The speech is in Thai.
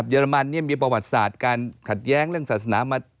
เรมันมีประวัติศาสตร์การขัดแย้งเรื่องศาสนามา